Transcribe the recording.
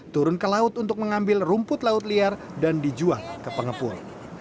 turun ke laut untuk mengambil rumput laut liar dan dijual ke pengepul